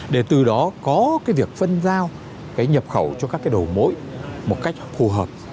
để từ đó có việc phân giao nhập khẩu cho các đồ mỗi một cách phù hợp